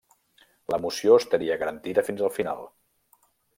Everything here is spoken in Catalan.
L'emoció estaria garantida fins al final.